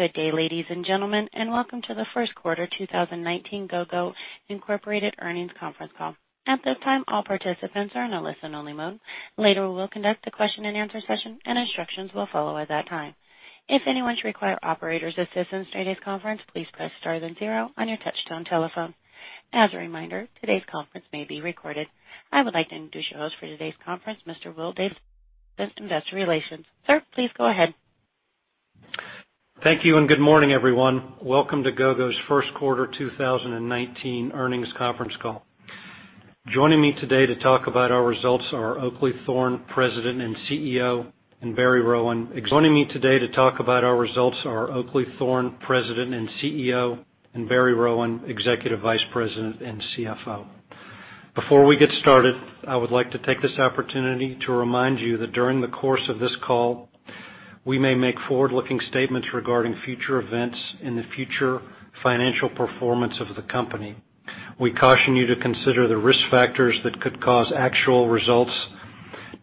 Good day, ladies and gentlemen, and welcome to the first quarter 2019 Gogo Inc. earnings conference call. At this time, all participants are in a listen-only mode. Later, we will conduct a question and answer session, and instructions will follow at that time. If anyone should require operator's assistance during today's conference, please press star then zero on your touch-tone telephone. As a reminder, today's conference may be recorded. I would like to introduce your host for today's conference, Mr. Will Davis, investor relations. Sir, please go ahead. Thank you. Good morning, everyone. Welcome to Gogo's first quarter 2019 earnings conference call. Joining me today to talk about our results are Oakleigh Thorne, President and CEO, and Barry Rowan, Executive Vice President and CFO. Before we get started, I would like to take this opportunity to remind you that during the course of this call, we may make forward-looking statements regarding future events and the future financial performance of the company. We caution you to consider the risk factors that could cause actual results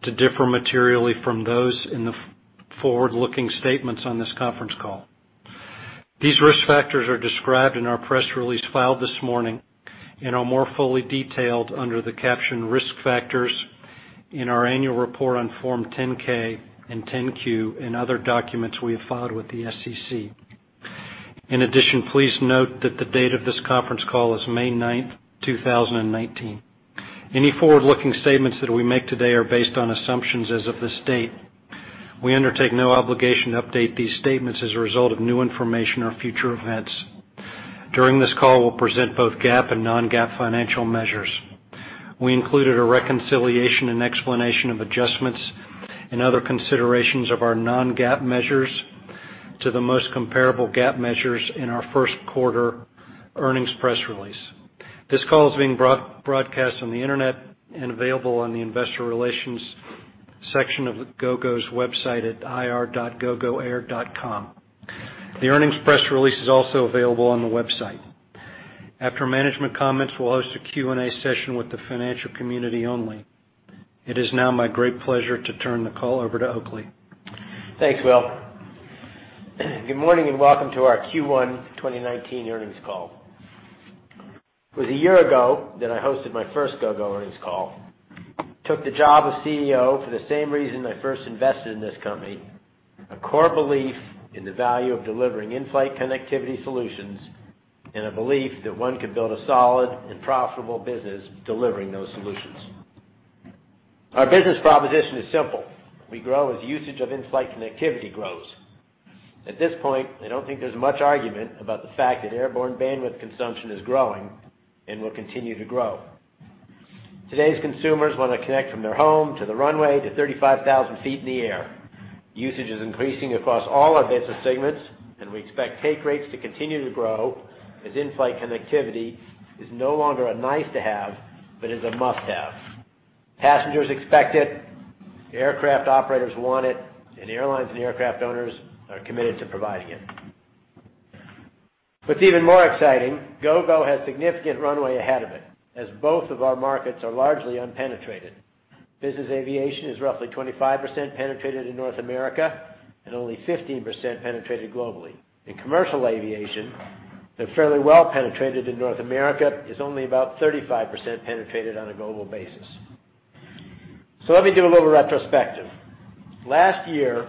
to differ materially from those in the forward-looking statements on this conference call. These risk factors are described in our press release filed this morning and are more fully detailed under the caption Risk Factors in our annual report on Form 10-K and 10-Q and other documents we have filed with the SEC. In addition, please note that the date of this conference call is May 9th, 2019. Any forward-looking statements that we make today are based on assumptions as of this date. We undertake no obligation to update these statements as a result of new information or future events. During this call, we'll present both GAAP and non-GAAP financial measures. We included a reconciliation and explanation of adjustments and other considerations of our non-GAAP measures to the most comparable GAAP measures in our first quarter earnings press release. This call is being broadcast on the internet and available on the investor relations section of Gogo's website at ir.gogoair.com. The earnings press release is also available on the website. After management comments, we'll host a Q&A session with the financial community only. It is now my great pleasure to turn the call over to Oakleigh. Thanks, Will. Good morning. Welcome to our Q1 2019 earnings call. It was a year ago that I hosted my first Gogo earnings call. Took the job as CEO for the same reason I first invested in this company, a core belief in the value of delivering in-flight connectivity solutions and a belief that one could build a solid and profitable business delivering those solutions. Our business proposition is simple. We grow as usage of in-flight connectivity grows. At this point, I don't think there's much argument about the fact that airborne bandwidth consumption is growing and will continue to grow. Today's consumers want to connect from their home to the runway to 35,000 feet in the air. Usage is increasing across all our business segments, and we expect take rates to continue to grow as in-flight connectivity is no longer a nice-to-have, but is a must-have. Passengers expect it, aircraft operators want it, and the airlines and aircraft owners are committed to providing it. What's even more exciting, Gogo has significant runway ahead of it, as both of our markets are largely unpenetrated. Business aviation is roughly 25% penetrated in North America and only 15% penetrated globally. In Commercial Aviation, they're fairly well penetrated in North America, is only about 35% penetrated on a global basis. Let me give a little retrospective. Last year,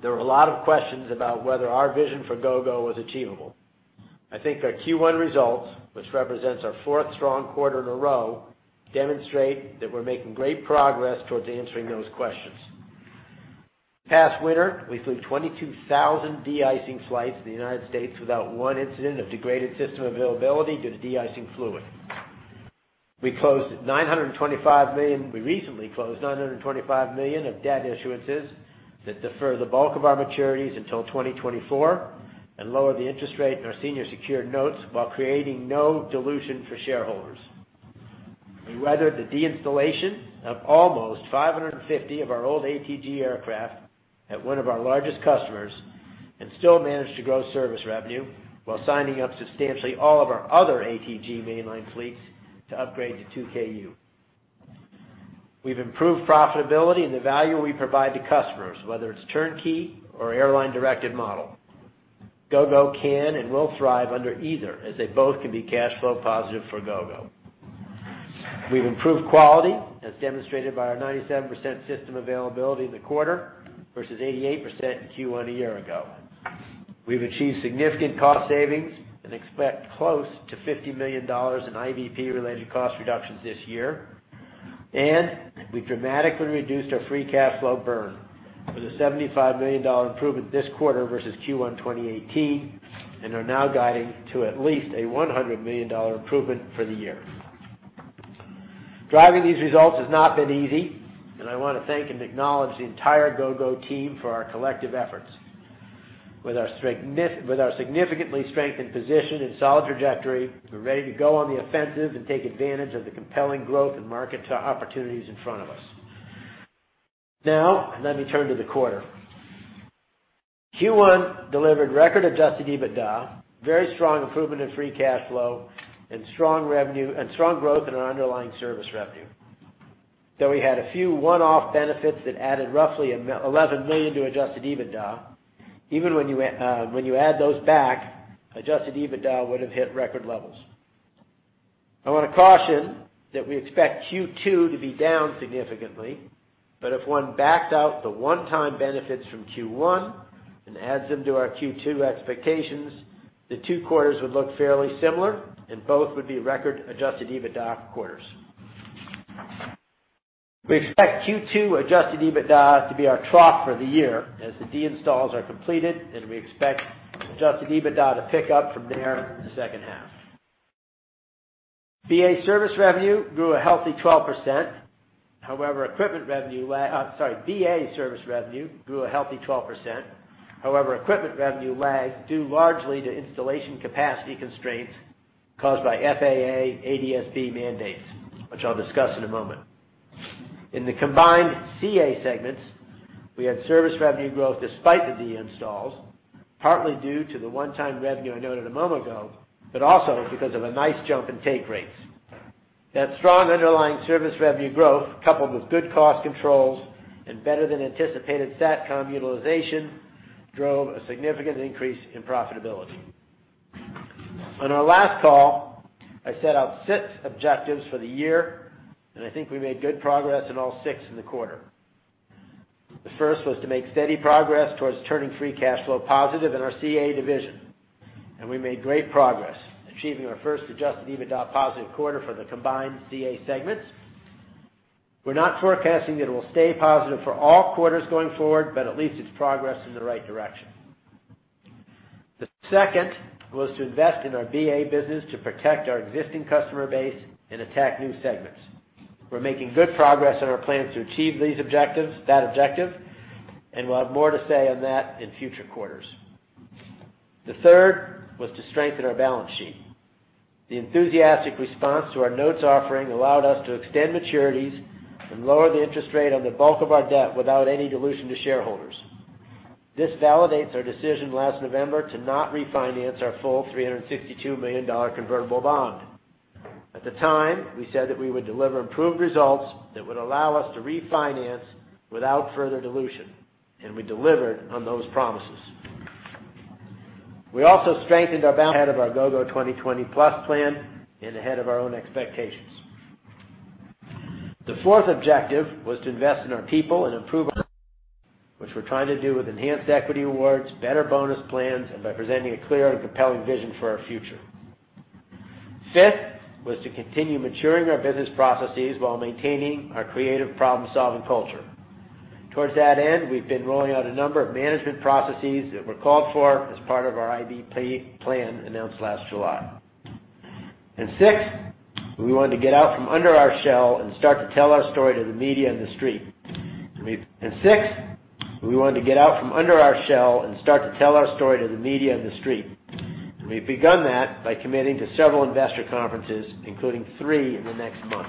there were a lot of questions about whether our vision for Gogo was achievable. I think our Q1 results, which represents our fourth strong quarter in a row, demonstrate that we're making great progress towards answering those questions. Past winter, we flew 22,000 de-icing flights in the U.S. without one incident of degraded system availability due to de-icing fluid. We recently closed $925 million of debt issuances that defer the bulk of our maturities until 2024 and lower the interest rate in our senior secured notes while creating no dilution for shareholders. We weathered the deinstallation of almost 550 of our old ATG aircraft at one of our largest customers and still managed to grow service revenue while signing up substantially all of our other ATG mainline fleets to upgrade to 2Ku. We've improved profitability and the value we provide to customers, whether it's turnkey or airline-directed model. Gogo can and will thrive under either, as they both can be cash flow positive for Gogo. We've improved quality, as demonstrated by our 97% system availability in the quarter versus 88% in Q1 a year ago. We've achieved significant cost savings and expect close to $50 million in IBP-related cost reductions this year. And we've dramatically reduced our free cash flow burn with a $75 million improvement this quarter versus Q1 2018 and are now guiding to at least a $100 million improvement for the year. Driving these results has not been easy, and I want to thank and acknowledge the entire Gogo team for our collective efforts. Let me turn to the quarter. Q1 delivered record Adjusted EBITDA, very strong improvement in free cash flow, and strong growth in our underlying service revenue. Though we had a few one-off benefits that added roughly $11 million to Adjusted EBITDA, even when you add those back, Adjusted EBITDA would have hit record levels. I want to caution that we expect Q2 to be down significantly, but if one backed out the one-time benefits from Q1 and adds them to our Q2 expectations, the two quarters would look fairly similar, and both would be record Adjusted EBITDA quarters. We expect Q2 Adjusted EBITDA to be our trough for the year as the de-installs are completed, and we expect Adjusted EBITDA to pick up from there in the second half. BA service revenue grew a healthy 12%. Equipment revenue lagged due largely to installation capacity constraints caused by FAA ADS-B mandates, which I'll discuss in a moment. In the combined CA segments, we had service revenue growth despite the de-installs, partly due to the one-time revenue I noted a moment ago, but also because of a nice jump in take rates. That strong underlying service revenue growth, coupled with good cost controls and better than anticipated SATCOM utilization, drove a significant increase in profitability. On our last call, I set out six objectives for the year. I think we made good progress on all six in the quarter. The first was to make steady progress towards turning free cash flow positive in our CA division. We made great progress, achieving our first Adjusted EBITDA positive quarter for the combined CA segments. We're not forecasting that it will stay positive for all quarters going forward. At least it's progress in the right direction. The second was to invest in our BA business to protect our existing customer base and attack new segments. We're making good progress on our plans to achieve that objective. We'll have more to say on that in future quarters. The third was to strengthen our balance sheet. The enthusiastic response to our notes offering allowed us to extend maturities and lower the interest rate on the bulk of our debt without any dilution to shareholders. This validates our decision last November to not refinance our full $362 million convertible bond. At the time, we said that we would deliver improved results that would allow us to refinance without further dilution. We delivered on those promises. We also strengthened our balance ahead of our Gogo 2020 Plus plan. Ahead of our own expectations. The fourth objective was to invest in our people and improve our, which we're trying to do with enhanced equity awards, better bonus plans, and by presenting a clear and compelling vision for our future. Fifth was to continue maturing our business processes while maintaining our creative problem-solving culture. Towards that end, we've been rolling out a number of management processes that were called for as part of our IBP plan announced last July. Sixth, we wanted to get out from under our shell and start to tell our story to the media and the street. We've begun that by committing to several investor conferences, including three in the next month.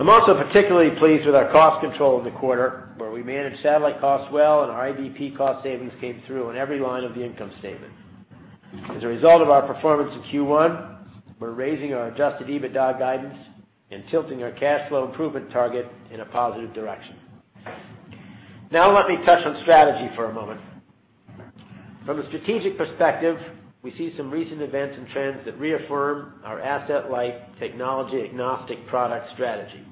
I'm also particularly pleased with our cost control in the quarter, where we managed satellite costs well. Our IBP cost savings came through on every line of the income statement. As a result of our performance in Q1, we're raising our Adjusted EBITDA guidance. Tilting our cash flow improvement target in a positive direction. Let me touch on strategy for a moment. From a strategic perspective, we see some recent events and trends that reaffirm our asset-light, technology-agnostic product strategy.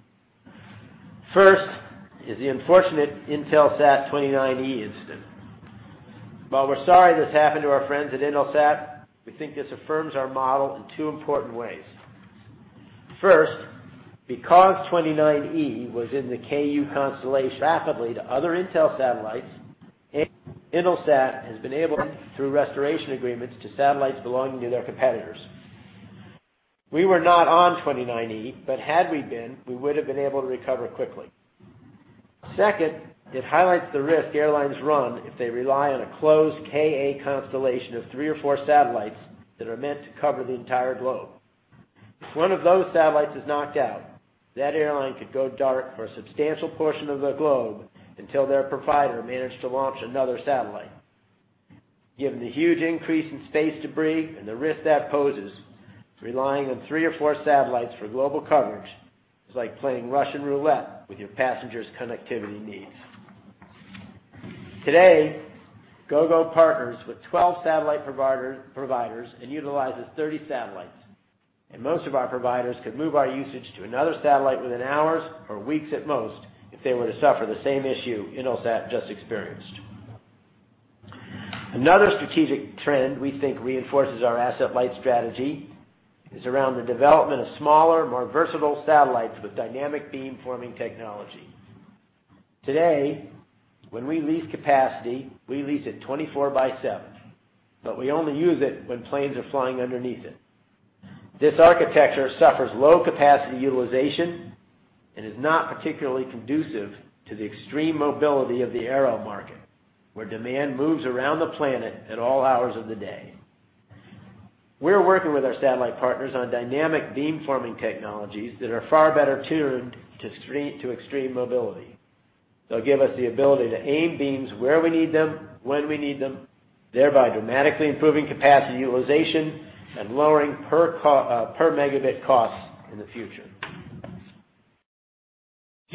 First is the unfortunate Intelsat 29e incident. While we're sorry this happened to our friends at Intelsat, we think this affirms our model in two important ways. First, because 29e was in the Ku constellation rapidly to other Intelsat satellites, Intelsat has been able, through restoration agreements, to satellites belonging to their competitors. We were not on 29e. Had we been, we would have been able to recover quickly. Second, it highlights the risk airlines run if they rely on a closed Ka constellation of three or four satellites that are meant to cover the entire globe. If one of those satellites is knocked out, that airline could go dark for a substantial portion of the globe until their provider managed to launch another satellite. Given the huge increase in space debris and the risk that poses, relying on 3 or 4 satellites for global coverage is like playing Russian roulette with your passengers' connectivity needs. Today, Gogo partners with 12 satellite providers and utilizes 30 satellites, and most of our providers could move our usage to another satellite within hours or weeks at most if they were to suffer the same issue Intelsat just experienced. Another strategic trend we think reinforces our asset-light strategy is around the development of smaller, more versatile satellites with dynamic beam-forming technology. Today, when we lease capacity, we lease it 24 by seven, but we only use it when planes are flying underneath it. This architecture suffers low capacity utilization and is not particularly conducive to the extreme mobility of the aero market, where demand moves around the planet at all hours of the day. We're working with our satellite partners on dynamic beam-forming technologies that are far better tuned to extreme mobility. They'll give us the ability to aim beams where we need them, when we need them, thereby dramatically improving capacity utilization and lowering per megabit costs in the future.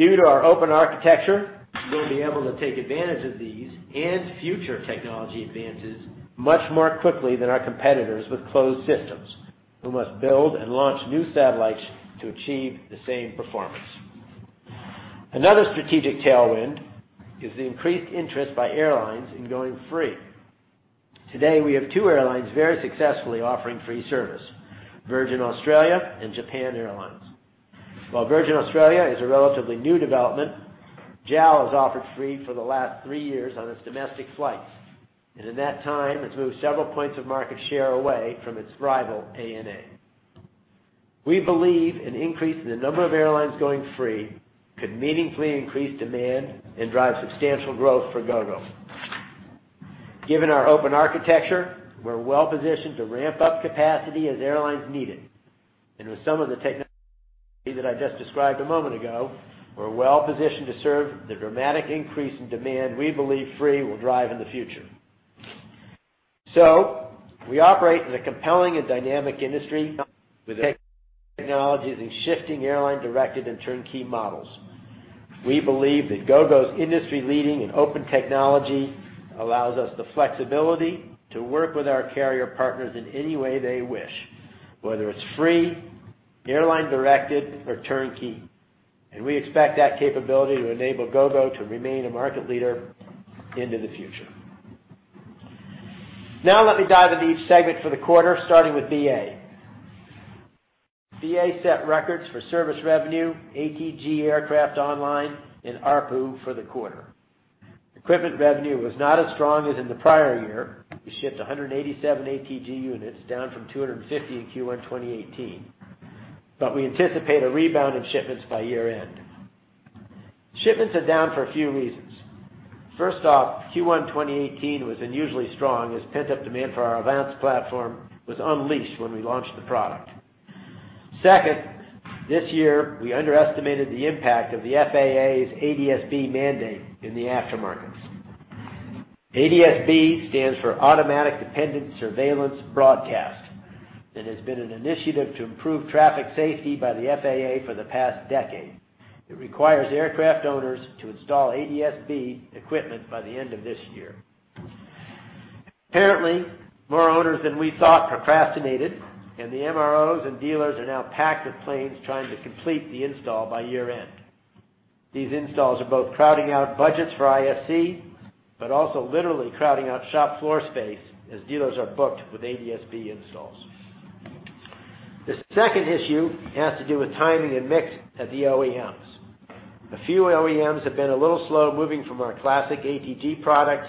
Due to our open architecture, we'll be able to take advantage of these and future technology advances much more quickly than our competitors with closed systems, who must build and launch new satellites to achieve the same performance. Another strategic tailwind is the increased interest by airlines in going free. Today, we have two airlines very successfully offering free service, Virgin Australia and Japan Airlines. While Virgin Australia is a relatively new development, JAL has offered free for the last three years on its domestic flights, and in that time, it's moved several points of market share away from its rival, ANA. We believe an increase in the number of airlines going free could meaningfully increase demand and drive substantial growth for Gogo. Given our open architecture, we're well positioned to ramp up capacity as airlines need it. With some of the technology that I just described a moment ago, we're well positioned to serve the dramatic increase in demand we believe free will drive in the future. We operate in a compelling and dynamic industry with technologies and shifting airline directed and turnkey models. We believe that Gogo's industry-leading and open technology allows us the flexibility to work with our carrier partners in any way they wish, whether it's free, airline-directed, or turnkey. We expect that capability to enable Gogo to remain a market leader into the future. Now let me dive into each segment for the quarter, starting with BA. BA set records for service revenue, ATG aircraft online, and ARPU for the quarter. Equipment revenue was not as strong as in the prior year. We shipped 187 ATG units, down from 250 in Q1 2018. We anticipate a rebound in shipments by year-end. Shipments are down for a few reasons. First off, Q1 2018 was unusually strong as pent-up demand for our advanced platform was unleashed when we launched the product. Second, this year we underestimated the impact of the FAA's ADS-B mandate in the aftermarkets. ADS-B stands for Automatic Dependent Surveillance-Broadcast and has been an initiative to improve traffic safety by the FAA for the past decade. It requires aircraft owners to install ADS-B equipment by the end of this year. Apparently, more owners than we thought procrastinated, and the MROs and dealers are now packed with planes trying to complete the install by year-end. These installs are both crowding out budgets for IFE, but also literally crowding out shop floor space as dealers are booked with ADS-B installs. The second issue has to do with timing and mix at the OEMs. A few OEMs have been a little slow moving from our classic ATG product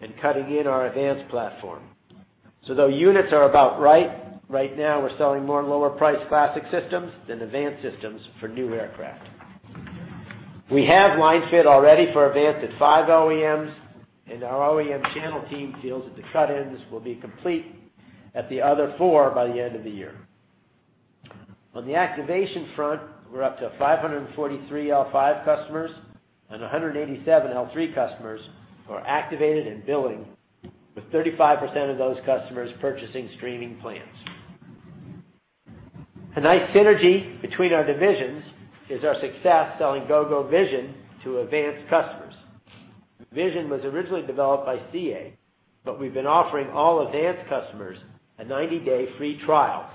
and cutting in our advanced platform. Though units are about right now, we're selling more lower priced classic systems than advanced systems for new aircraft. We have line fit already for advanced at five OEMs, and our OEM channel team feels that the cut-ins will be complete at the other four by the end of the year. On the activation front, we're up to 543 L5 customers and 187 L3 customers who are activated and billing, with 35% of those customers purchasing streaming plans. A nice synergy between our divisions is our success selling Gogo Vision to advanced customers. Vision was originally developed by CA, but we've been offering all advanced customers a 90-day free trial,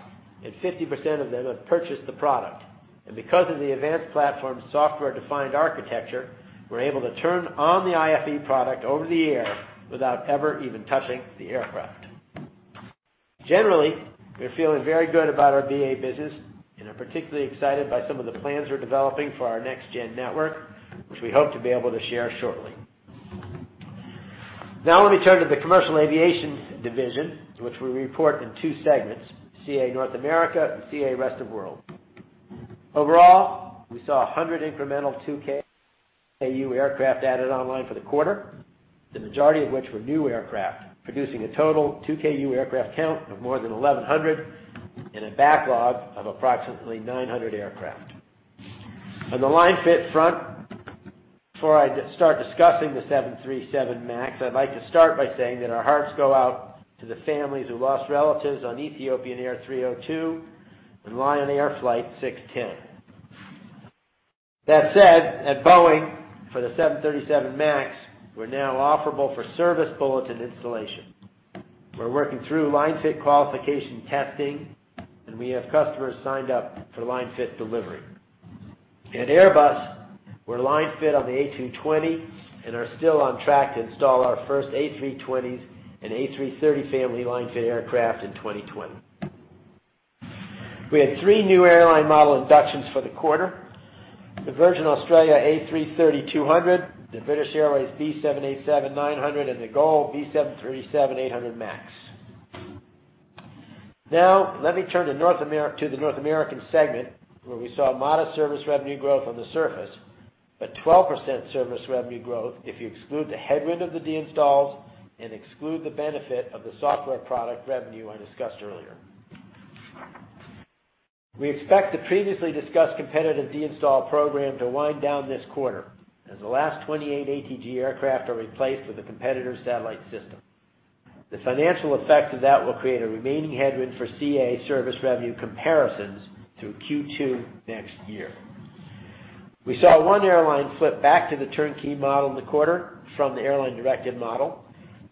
and 50% of them have purchased the product. Because of the advanced platform's software-defined architecture, we're able to turn on the IFE product over the air without ever even touching the aircraft. Generally, we're feeling very good about our BA business and are particularly excited by some of the plans we're developing for our next-gen network, which we hope to be able to share shortly. Let me turn to the Commercial Aviation division, which we report in two segments, CA North America and CA Rest of World. Overall, we saw 100 incremental 2Ku aircraft added online for the quarter, the majority of which were new aircraft, producing a total 2Ku aircraft count of more than 1,100 and a backlog of approximately 900 aircraft. On the line fit front, before I start discussing the 737 MAX, I'd like to start by saying that our hearts go out to the families who lost relatives on Ethiopian Air 302 and Lion Air Flight 610. That said, at Boeing, for the 737 MAX, we're now offerable for service bulletin installation. We're working through line-fit qualification testing, and we have customers signed up for line-fit delivery. At Airbus, we're line fit on the A220 and are still on track to install our first A320 and A330 family line-fit aircraft in 2020. We had three new airline model inductions for the quarter. The Virgin Australia A330-200, the British Airways B787-9, and the GOL B737-8 MAX. Let me turn to the North American segment, where we saw modest service revenue growth on the surface, but 12% service revenue growth if you exclude the headwind of the deinstalls and exclude the benefit of the software product revenue I discussed earlier. We expect the previously discussed competitive deinstall program to wind down this quarter as the last 28 ATG aircraft are replaced with a competitor's satellite system. The financial effect of that will create a remaining headwind for CA service revenue comparisons through Q2 next year. We saw one airline flip back to the turnkey model in the quarter from the airline-directed model,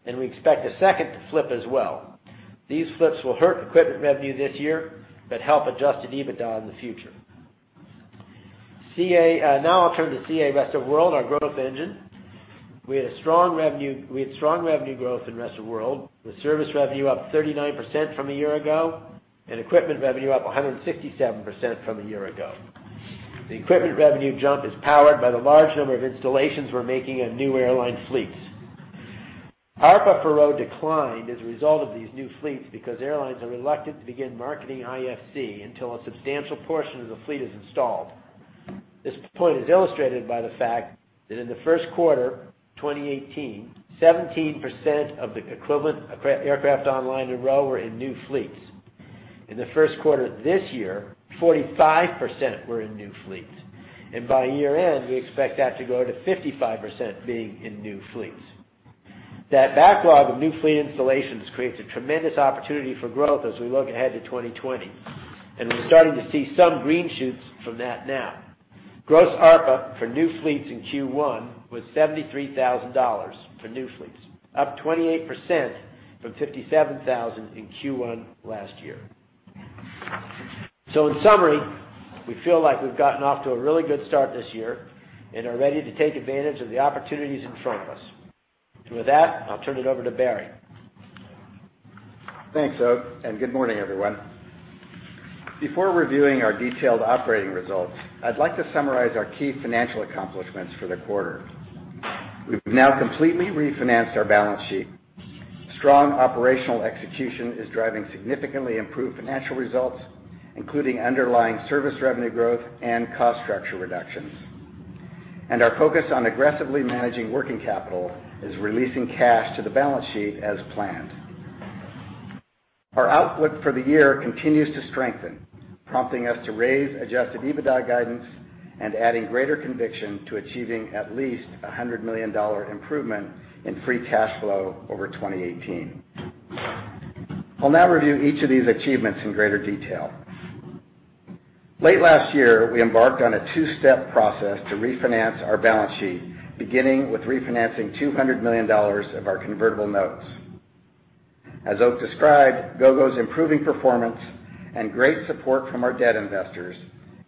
and we expect a second to flip as well. These flips will hurt equipment revenue this year, but help Adjusted EBITDA in the future. Now I'll turn to CA Rest of World, our growth engine. We had strong revenue growth in Rest of World, with service revenue up 39% from a year ago and equipment revenue up 167% from a year ago. The equipment revenue jump is powered by the large number of installations we're making on new airline fleets. ARPA per ROW declined as a result of these new fleets because airlines are reluctant to begin marketing IFC until a substantial portion of the fleet is installed. This point is illustrated by the fact that in the first quarter of 2018, 17% of the equivalent aircraft on line and ROW were in new fleets. In the first quarter of this year, 45% were in new fleets. And by year-end, we expect that to go to 55% being in new fleets. That backlog of new fleet installations creates a tremendous opportunity for growth as we look ahead to 2020, and we're starting to see some green shoots from that now. Gross ARPA for new fleets in Q1 was $73,000 for new fleets, up 28% from $57,000 in Q1 last year. In summary, we feel like we've gotten off to a really good start this year and are ready to take advantage of the opportunities in front of us. With that, I'll turn it over to Barry. Thanks, Oak, good morning, everyone. Before reviewing our detailed operating results, I'd like to summarize our key financial accomplishments for the quarter. We've now completely refinanced our balance sheet. Strong operational execution is driving significantly improved financial results, including underlying service revenue growth and cost structure reductions. And our focus on aggressively managing working capital is releasing cash to the balance sheet as planned. Our outlook for the year continues to strengthen, prompting us to raise Adjusted EBITDA guidance and adding greater conviction to achieving at least $100 million improvement in free cash flow over 2018. I'll now review each of these achievements in greater detail. Late last year, we embarked on a two-step process to refinance our balance sheet, beginning with refinancing $200 million of our convertible notes. As Oak described, Gogo's improving performance and great support from our debt investors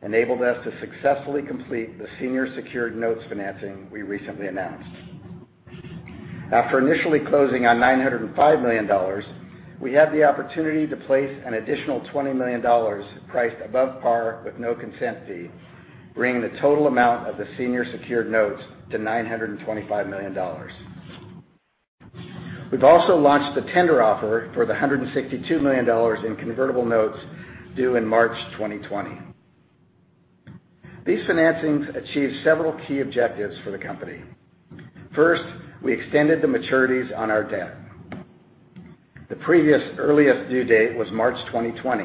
enabled us to successfully complete the senior secured notes financing we recently announced. After initially closing on $905 million, we had the opportunity to place an additional $20 million priced above par with no consent fee, bringing the total amount of the senior secured notes to $925 million. We've also launched a tender offer for the $162 million in convertible notes due in March 2020. These financings achieved several key objectives for the company. First, we extended the maturities on our debt. The previous earliest due date was March 2020.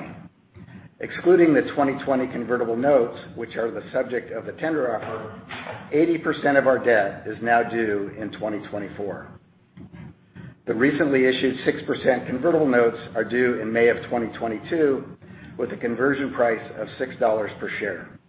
Excluding the 2020 convertible notes, which are the subject of the tender offer, 80% of our debt is now due in 2024. The recently issued 6% convertible notes are due in May of 2022 with a conversion price of $6 per share.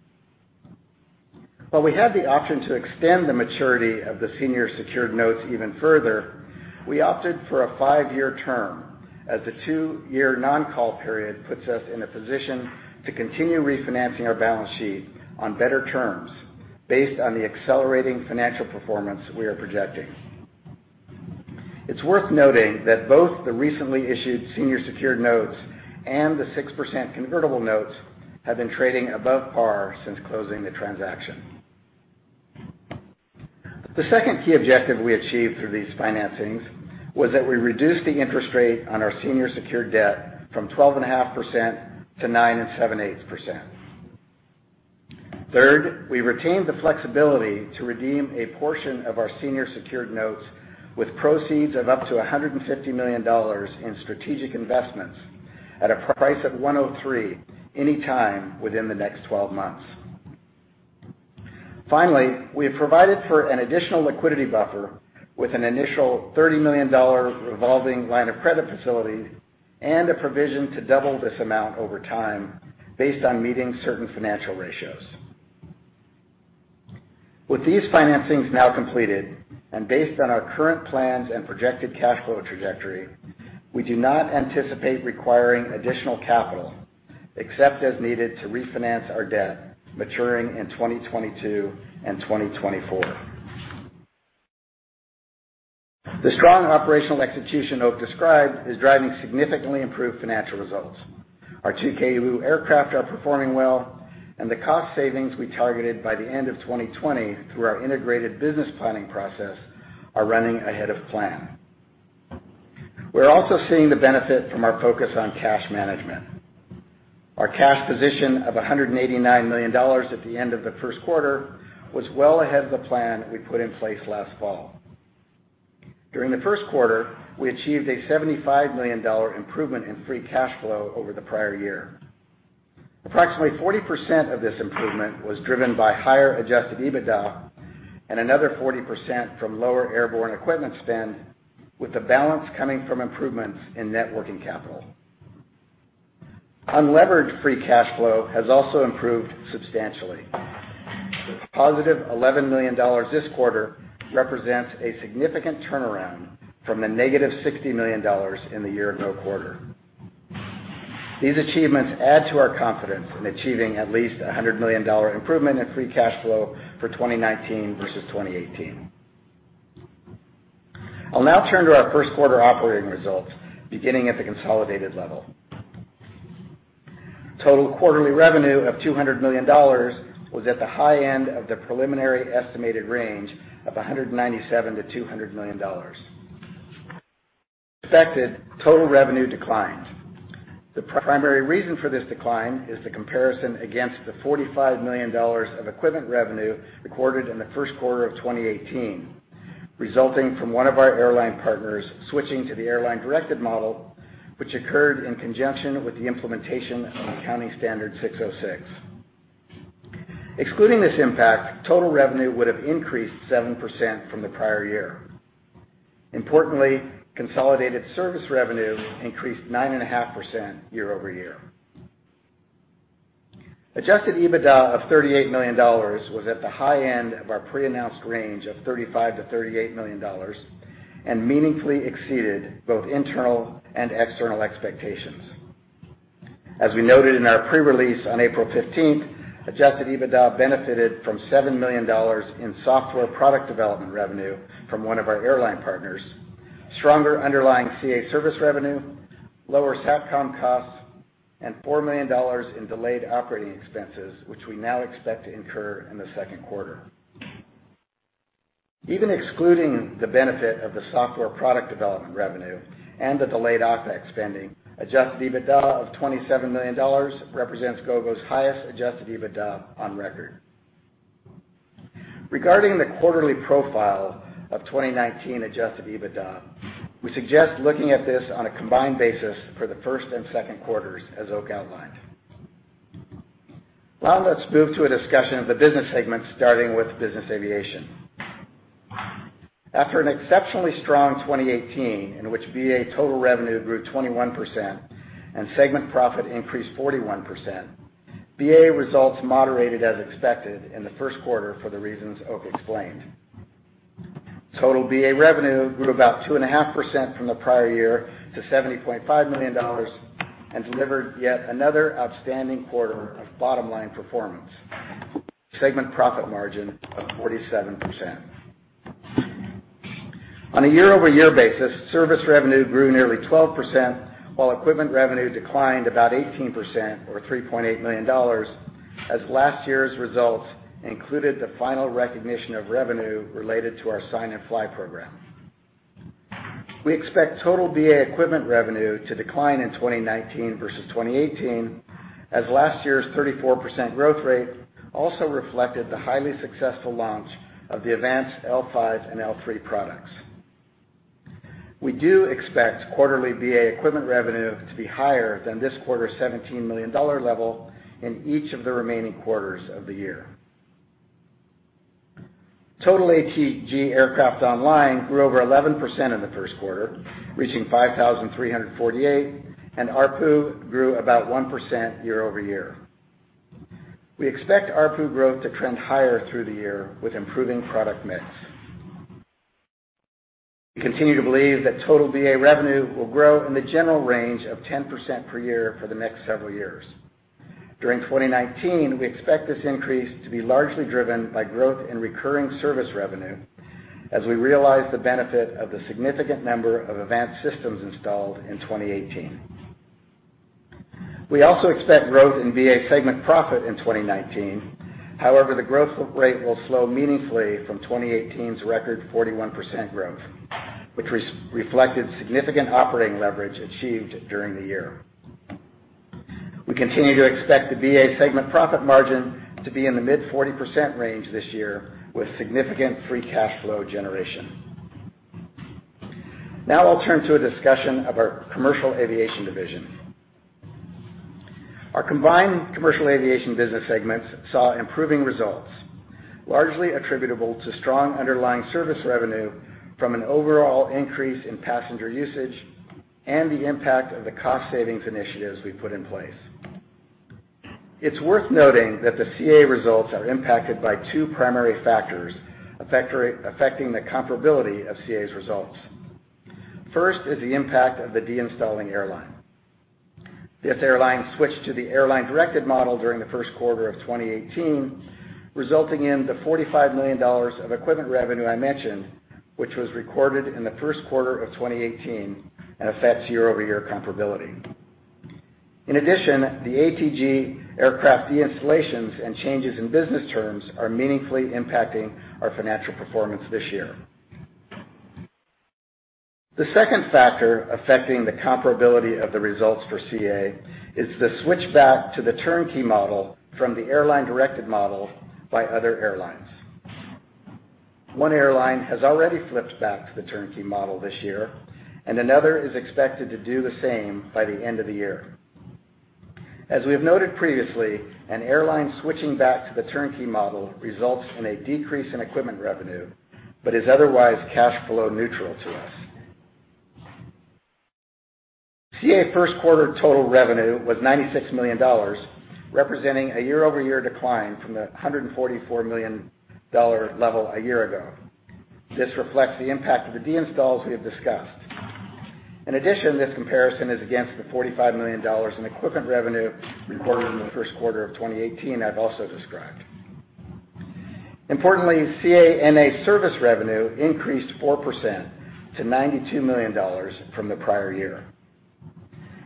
While we had the option to extend the maturity of the senior secured notes even further, we opted for a 5-year term as the 2-year non-call period puts us in a position to continue refinancing our balance sheet on better terms based on the accelerating financial performance we are projecting. It's worth noting that both the recently issued senior secured notes and the 6% convertible notes have been trading above par since closing the transaction. The second key objective we achieved through these financings was that we reduced the interest rate on our senior secured debt from 12.5% to 9.875%. Third, we retained the flexibility to redeem a portion of our senior secured notes with proceeds of up to $150 million in strategic investments at a price of 103 any time within the next 12 months. We have provided for an additional liquidity buffer with an initial $30 million revolving line of credit facility and a provision to double this amount over time based on meeting certain financial ratios. With these financings now completed, and based on our current plans and projected cash flow trajectory, we do not anticipate requiring additional capital except as needed to refinance our debt maturing in 2022 and 2024. The strong operational execution Oak described is driving significantly improved financial results. Our 2Ku aircraft are performing well, and the cost savings we targeted by the end of 2020 through our integrated business planning process are running ahead of plan. We're also seeing the benefit from our focus on cash management. Our cash position of $189 million at the end of the first quarter was well ahead of the plan we put in place last fall. During the first quarter, we achieved a $75 million improvement in free cash flow over the prior year. Approximately 40% of this improvement was driven by higher Adjusted EBITDA, and another 40% from lower airborne equipment spend with the balance coming from improvements in net working capital. Unlevered free cash flow has also improved substantially. Positive $11 million this quarter represents a significant turnaround from the negative $60 million in the year-ago quarter. These achievements add to our confidence in achieving at least $100 million improvement in free cash flow for 2019 versus 2018. I'll now turn to our first quarter operating results, beginning at the consolidated level. Total quarterly revenue of $200 million was at the high end of the preliminary estimated range of $197 million-$200 million. Effective total revenue declined. The primary reason for this decline is the comparison against the $45 million of equipment revenue recorded in the first quarter of 2018, resulting from one of our airline partners switching to the airline-directed model, which occurred in conjunction with the implementation of Accounting Standard 606. Excluding this impact, total revenue would have increased 7% from the prior year. Importantly, consolidated service revenue increased 9.5% year-over-year. Adjusted EBITDA of $38 million was at the high end of our pre-announced range of $35 million-$38 million and meaningfully exceeded both internal and external expectations. As we noted in our pre-release on April 15th, Adjusted EBITDA benefited from $7 million in software product development revenue from one of our airline partners, stronger underlying CA service revenue, lower SATCOM costs, and $4 million in delayed operating expenses, which we now expect to incur in the second quarter. Even excluding the benefit of the software product development revenue and the delayed OpEx spending, Adjusted EBITDA of $27 million represents Gogo's highest Adjusted EBITDA on record. Regarding the quarterly profile of 2019 Adjusted EBITDA, we suggest looking at this on a combined basis for the first and second quarters as Oak outlined. Let's move to a discussion of the business segments starting with business aviation. After an exceptionally strong 2018, in which BA total revenue grew 21% and segment profit increased 41%, BA results moderated as expected in the first quarter for the reasons Oak explained. Total BA revenue grew about 2.5% from the prior year to $70.5 million and delivered yet another outstanding quarter of bottom-line performance, segment profit margin of 47%. On a year-over-year basis, service revenue grew nearly 12%, while equipment revenue declined about 18%, or $3.8 million, as last year's results included the final recognition of revenue related to our Sign and Fly program. We expect total BA equipment revenue to decline in 2019 versus 2018, as last year's 34% growth rate also reflected the highly successful launch of the AVANCE L5 and AVANCE L3 products. We do expect quarterly BA equipment revenue to be higher than this quarter's $17 million level in each of the remaining quarters of the year. Total ATG aircraft online grew over 11% in the first quarter, reaching 5,348, and ARPU grew about 1% year-over-year. We expect ARPU growth to trend higher through the year with improving product mix. We continue to believe that total BA revenue will grow in the general range of 10% per year for the next several years. During 2019, we expect this increase to be largely driven by growth in recurring service revenue as we realize the benefit of the significant number of AVANCE systems installed in 2018. We also expect growth in BA segment profit in 2019. The growth rate will slow meaningfully from 2018's record 41% growth, which reflected significant operating leverage achieved during the year. We continue to expect the BA segment profit margin to be in the mid 40% range this year with significant free cash flow generation. I'll turn to a discussion of our Commercial Aviation division. Our combined Commercial Aviation business segments saw improving results, largely attributable to strong underlying service revenue from an overall increase in passenger usage and the impact of the cost savings initiatives we've put in place. It's worth noting that the CA results are impacted by two primary factors affecting the comparability of CA's results. First is the impact of the de-installing airline. This airline switched to the airline-directed model during the first quarter of 2018, resulting in the $45 million of equipment revenue I mentioned, which was recorded in the first quarter of 2018 and affects year-over-year comparability. The ATG aircraft de-installations and changes in business terms are meaningfully impacting our financial performance this year. The second factor affecting the comparability of the results for CA is the switch back to the turnkey model from the airline-directed model by other airlines. One airline has already flipped back to the turnkey model this year, and another is expected to do the same by the end of the year. As we have noted previously, an airline switching back to the turnkey model results in a decrease in equipment revenue, but is otherwise cash flow neutral to us. CA first quarter total revenue was $96 million, representing a year-over-year decline from the $144 million level a year ago. This reflects the impact of the deinstalls we have discussed. In addition, this comparison is against the $45 million in equipment revenue recorded in the first quarter of 2018 I've also described. Importantly, CA NA service revenue increased 4% to $92 million from the prior year.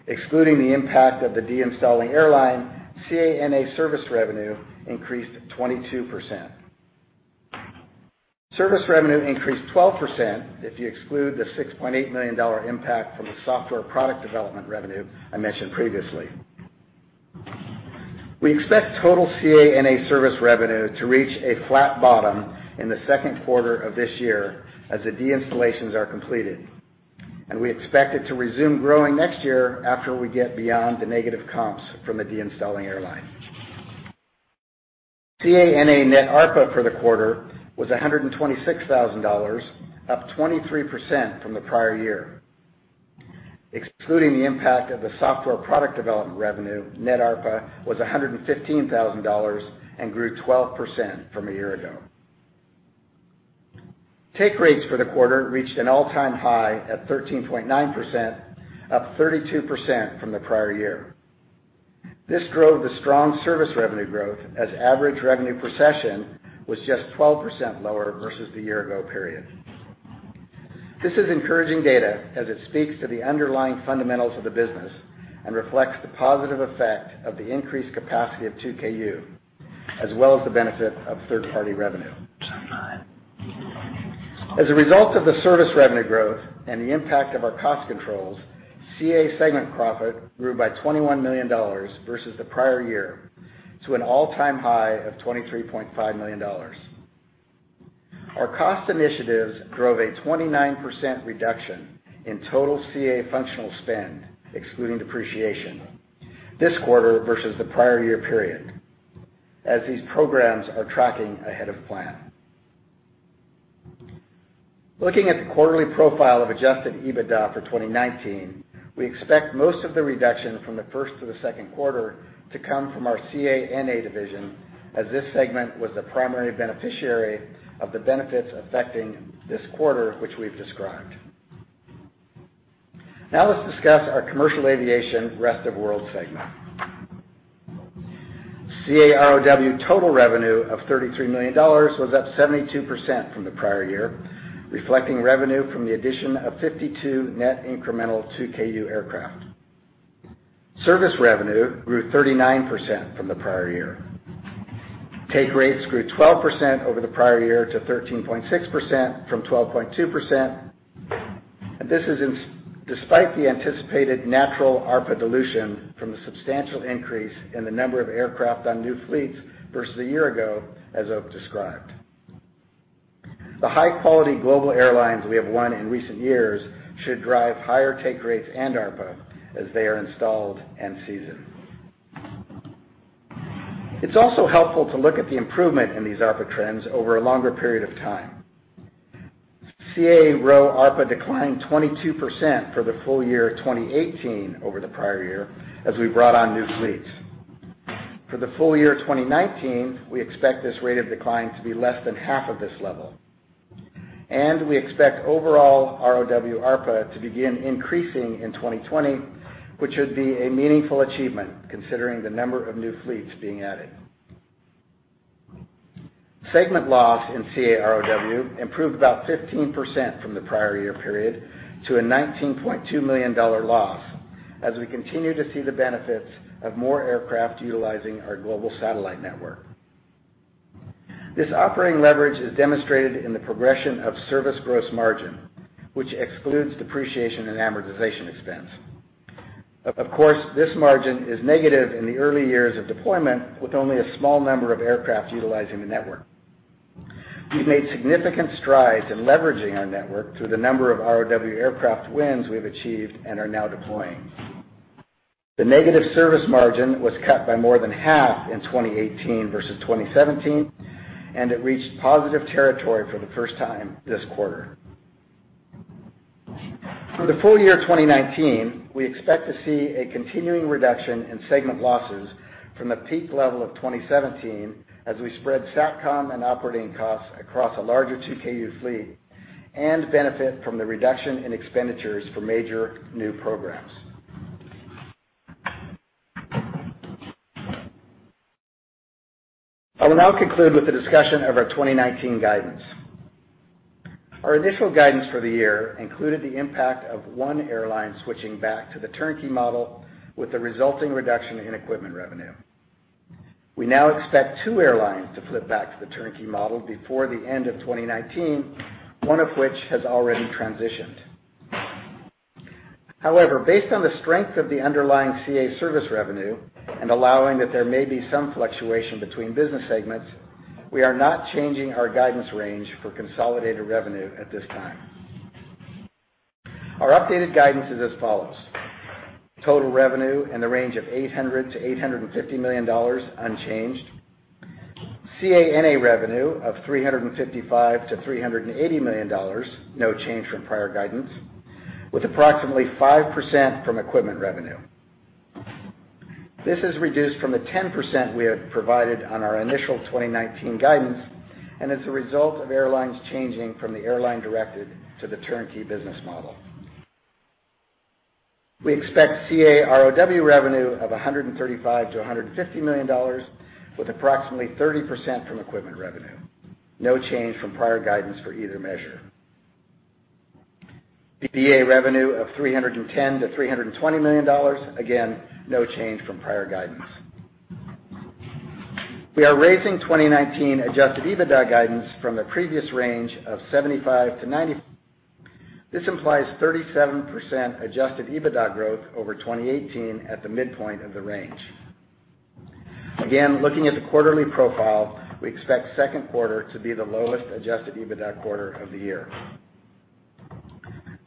Excluding the impact of the deinstalling airline, CA NA service revenue increased 22%. Service revenue increased 12% if you exclude the $6.8 million impact from the software product development revenue I mentioned previously. We expect total CA NA service revenue to reach a flat bottom in the second quarter of this year as the deinstallations are completed, and we expect it to resume growing next year after we get beyond the negative comps from the deinstalling airline. CA NA net ARPA for the quarter was $126,000, up 23% from the prior year. Excluding the impact of the software product development revenue, net ARPA was $115,000 and grew 12% from a year ago. Take rates for the quarter reached an all-time high at 13.9%, up 32% from the prior year. This drove the strong service revenue growth as average revenue per session was just 12% lower versus the year ago period. This is encouraging data as it speaks to the underlying fundamentals of the business and reflects the positive effect of the increased capacity of 2Ku, as well as the benefit of third-party revenue. As a result of the service revenue growth and the impact of our cost controls, CA segment profit grew by $21 million versus the prior year to an all-time high of $23.5 million. Our cost initiatives drove a 29% reduction in total CA functional spend, excluding depreciation, this quarter versus the prior year period, as these programs are tracking ahead of plan. Looking at the quarterly profile of Adjusted EBITDA for 2019, we expect most of the reduction from the first to the second quarter to come from our CA NA division, as this segment was the primary beneficiary of the benefits affecting this quarter, which we've described. Now let's discuss our Commercial Aviation - Rest of World segment. CA ROW total revenue of $33 million was up 72% from the prior year, reflecting revenue from the addition of 52 net incremental 2Ku aircraft. Service revenue grew 39% from the prior year. Take rates grew 12% over the prior year to 13.6% from 12.2%, and this is despite the anticipated natural ARPA dilution from the substantial increase in the number of aircraft on new fleets versus a year ago, as Oak described. The high-quality global airlines we have won in recent years should drive higher take rates and ARPA as they are installed and seasoned. It's also helpful to look at the improvement in these ARPA trends over a longer period of time. CA ROW ARPA declined 22% for the full year 2018 over the prior year, as we brought on new fleets. For the full year 2019, we expect this rate of decline to be less than half of this level. We expect overall ROW ARPA to begin increasing in 2020, which would be a meaningful achievement considering the number of new fleets being added. Segment loss in CA ROW improved about 15% from the prior year period to a $19.2 million loss, as we continue to see the benefits of more aircraft utilizing our global satellite network. This operating leverage is demonstrated in the progression of service gross margin, which excludes depreciation and amortization expense. Of course, this margin is negative in the early years of deployment, with only a small number of aircraft utilizing the network. We've made significant strides in leveraging our network through the number of ROW aircraft wins we've achieved and are now deploying. The negative service margin was cut by more than half in 2018 versus 2017. It reached positive territory for the first time this quarter. For the full year 2019, we expect to see a continuing reduction in segment losses from the peak level of 2017 as we spread SATCOM and operating costs across a larger 2Ku fleet and benefit from the reduction in expenditures for major new programs. I will now conclude with a discussion of our 2019 guidance. Our initial guidance for the year included the impact of one airline switching back to the turnkey model with the resulting reduction in equipment revenue. We now expect two airlines to flip back to the turnkey model before the end of 2019, one of which has already transitioned. However, based on the strength of the underlying CA service revenue and allowing that there may be some fluctuation between business segments, we are not changing our guidance range for consolidated revenue at this time. Our updated guidance is as follows. Total revenue in the range of $800 million to $850 million, unchanged. CA NA revenue of $355 million to $380 million, no change from prior guidance, with approximately 5% from equipment revenue. This is reduced from the 10% we had provided on our initial 2019 guidance. It is a result of airlines changing from the airline-directed to the turnkey business model. We expect CA ROW revenue of $135 million to $150 million, with approximately 30% from equipment revenue. No change from prior guidance for either measure. BA revenue of $310 million to $320 million. No change from prior guidance. We are raising 2019 Adjusted EBITDA guidance from the previous range of $75 million to $90 million. This implies 37% Adjusted EBITDA growth over 2018 at the midpoint of the range. Looking at the quarterly profile, we expect second quarter to be the lowest Adjusted EBITDA quarter of the year.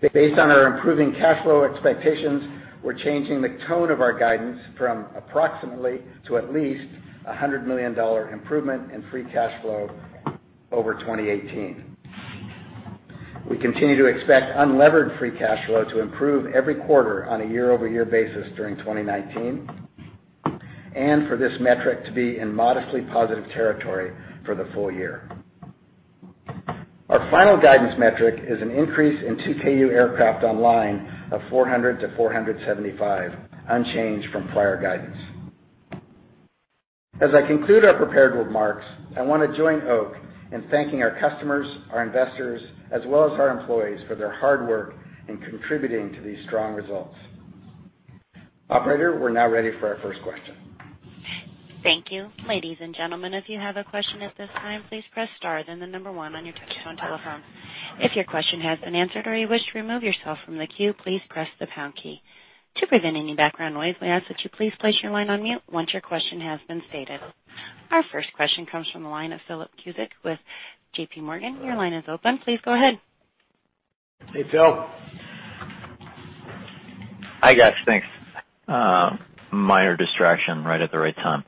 Based on our improving cash flow expectations, we're changing the tone of our guidance from approximately to at least $100 million improvement in free cash flow over 2018. We continue to expect unlevered free cash flow to improve every quarter on a year-over-year basis during 2019, and for this metric to be in modestly positive territory for the full year. Our final guidance metric is an increase in 2Ku aircraft online of 400 to 475, unchanged from prior guidance. As I conclude our prepared remarks, I want to join Oak in thanking our customers, our investors, as well as our employees for their hard work in contributing to these strong results. Operator, we're now ready for our first question. Thank you. Ladies and gentlemen, if you have a question at this time, please press star, then the number one on your touch-tone telephone. If your question has been answered or you wish to remove yourself from the queue, please press the pound key. To prevent any background noise, we ask that you please place your line on mute once your question has been stated. Our first question comes from the line of Philip Cusick with JPMorgan. Your line is open. Please go ahead. Hey, Phil. Hi, guys. Thanks. Minor distraction right at the right time.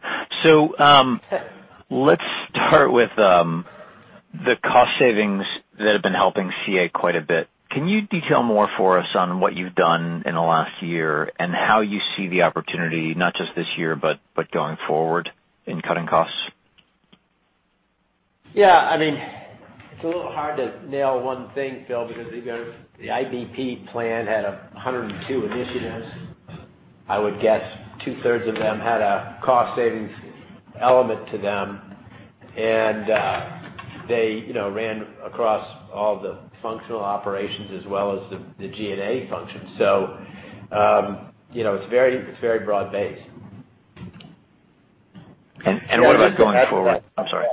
Let's start with the cost savings that have been helping CA quite a bit. Can you detail more for us on what you've done in the last year and how you see the opportunity, not just this year, but going forward in cutting costs? It's a little hard to nail one thing, Philip, because the IBP plan had 102 initiatives. I would guess two-thirds of them had a cost savings element to them, and they ran across all the functional operations as well as the G&A functions. It's very broad-based. What about going forward? I'm sorry.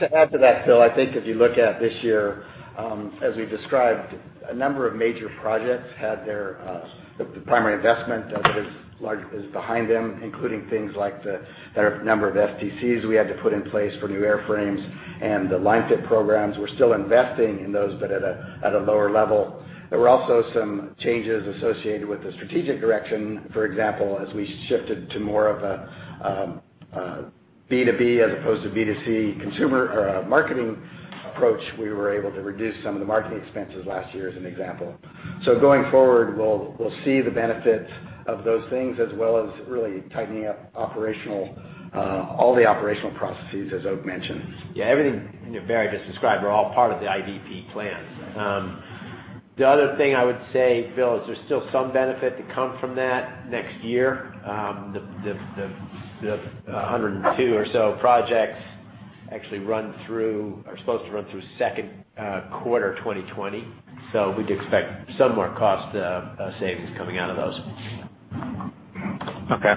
To add to that, Philip, I think if you look at this year, as we described, a number of major projects had their primary investment that is behind them, including things like the number of STCs we had to put in place for new airframes and the line fit programs. We're still investing in those, but at a lower level. There were also some changes associated with the strategic direction. For example, as we shifted to more of a B2B as opposed to B2C consumer or a marketing approach, we were able to reduce some of the marketing expenses last year, as an example. Going forward, we'll see the benefits of those things, as well as really tightening up all the operational processes as Oakleigh mentioned. Yeah, everything Barry just described are all part of the IBP plan. The other thing I would say, Philip, is there's still some benefit to come from that next year. The 102 or so projects are supposed to run through second quarter 2020. We'd expect some more cost savings coming out of those. Okay.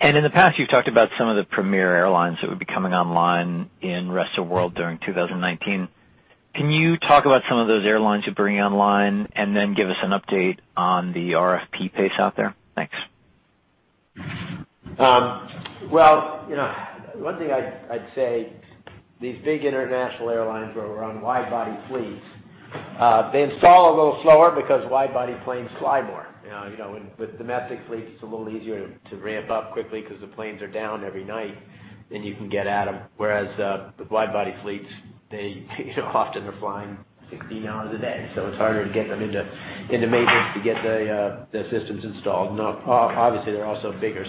In the past, you've talked about some of the premier airlines that would be coming online in Rest of World during 2019. Can you talk about some of those airlines you're bringing online, and then give us an update on the RFP pace out there? Thanks. Well, one thing I'd say, these big international airlines where we're on wide-body fleets, they install a little slower because wide-body planes fly more. With domestic fleets, it's a little easier to ramp up quickly because the planes are down every night, then you can get at them. Whereas, with wide-body fleets, they often are flying 16 hours a day, so it's harder to get them into maintenance to get the systems installed. Obviously, they're also bigger.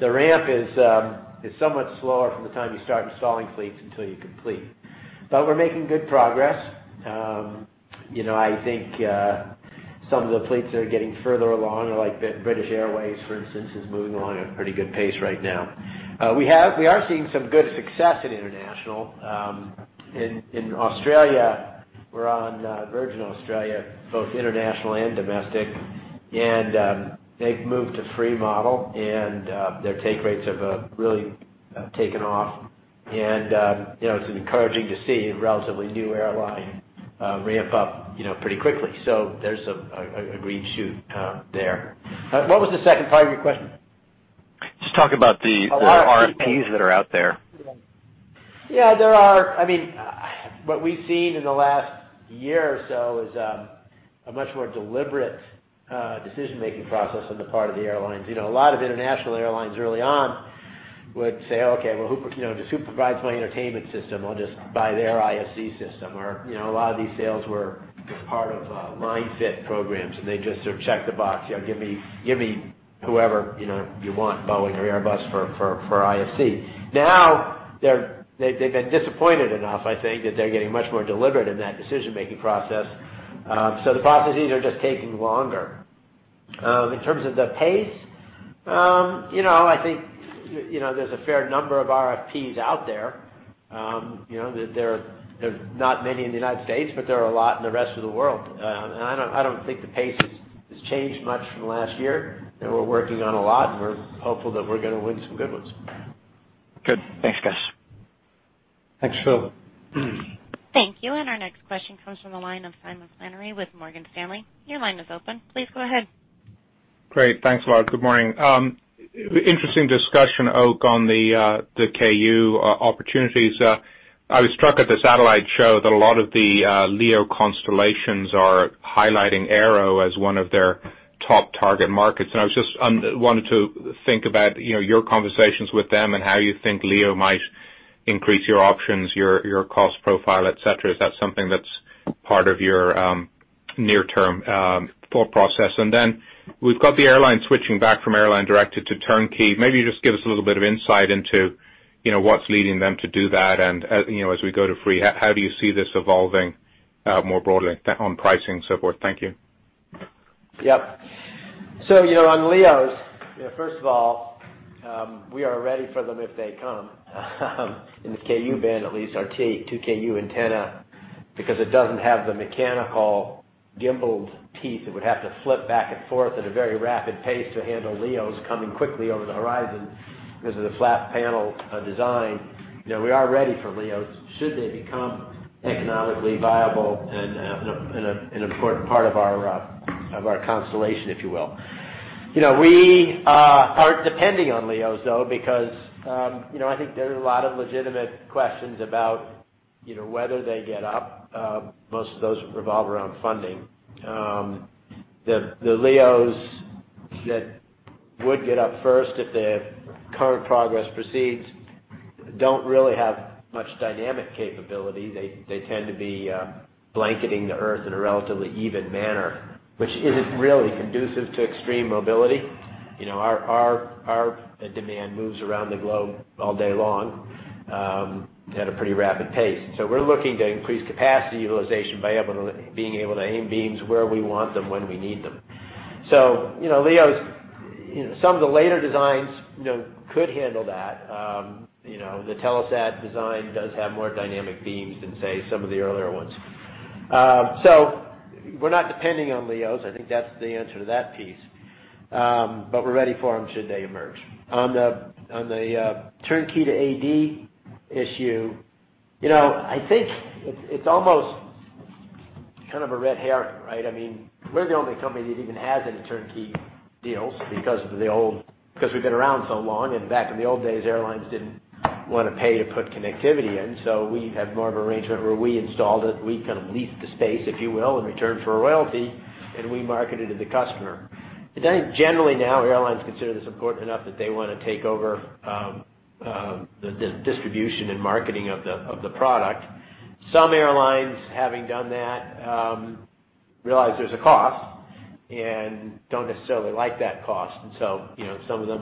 The ramp is somewhat slower from the time you start installing fleets until you complete. We're making good progress. I think some of the fleets that are getting further along, like British Airways, for instance, is moving along at a pretty good pace right now. We are seeing some good success in international. In Australia We're on Virgin Australia, both international and domestic. They've moved to free model, and their take rates have really taken off. It's encouraging to see a relatively new airline ramp up pretty quickly. There's a green shoot there. What was the second part of your question? Just talk about the RFPs that are out there. Yeah. What we've seen in the last year or so is a much more deliberate decision-making process on the part of the airlines. A lot of international airlines early on would say, "Okay, just who provides my entertainment system? I'll just buy their IFC system." A lot of these sales were just part of line fit programs, and they just sort of checked the box, "Give me whoever you want, Boeing or Airbus for IFC." They've been disappointed enough, I think, that they're getting much more deliberate in that decision-making process. The processes are just taking longer. In terms of the pace, I think, there's a fair number of RFPs out there. There's not many in the U.S., but there are a lot in the rest of the world. I don't think the pace has changed much from last year, and we're working on a lot, and we're hopeful that we're going to win some good ones. Good. Thanks, guys. Thanks, Phil. Thank you. Our next question comes from the line of Simon Flannery with Morgan Stanley. Your line is open. Please go ahead. Great. Thanks a lot. Good morning. Interesting discussion, Oak, on the Ku opportunities. I was struck at the satellite show that a lot of the LEO constellations are highlighting Aero as one of their top target markets. I was just wanted to think about your conversations with them and how you think LEO might increase your options, your cost profile, et cetera. Is that something that's part of your near-term thought process? Then we've got the airline switching back from airline directed to turnkey. Maybe just give us a little bit of insight into what's leading them to do that and, as we go to free, how do you see this evolving more broadly on pricing and so forth? Thank you. Yep. On LEOs, first of all, we are ready for them if they come. In the Ku-band at least, our 2Ku antenna, because it doesn't have the mechanical gimbaled teeth that would have to flip back and forth at a very rapid pace to handle LEOs coming quickly over the horizon because of the flat panel design. We are ready for LEOs should they become economically viable and an important part of our constellation, if you will. We aren't depending on LEOs, though, because I think there are a lot of legitimate questions about whether they get up. Most of those revolve around funding. The LEOs that would get up first if the current progress proceeds, don't really have much dynamic capability. They tend to be blanketing the Earth in a relatively even manner, which isn't really conducive to extreme mobility. Our demand moves around the globe all day long, at a pretty rapid pace. We're looking to increase capacity utilization by being able to aim beams where we want them when we need them. LEOs, some of the later designs could handle that. The Telesat design does have more dynamic beams than, say, some of the earlier ones. We're not depending on LEOs. I think that's the answer to that piece. We're ready for them should they emerge. On the turnkey to AD issue, I think it's almost kind of a red herring, right? We're the only company that even has any turnkey deals because we've been around so long, and back in the old days, airlines didn't want to pay to put connectivity in. We had more of an arrangement where we installed it, we kind of leased the space, if you will, in return for a royalty, we marketed to the customer. Today, generally now, airlines consider this important enough that they want to take over the distribution and marketing of the product. Some airlines, having done that, realize there's a cost, and don't necessarily like that cost. Some of them